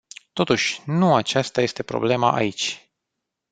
Totuși, nu aceasta este problema aici.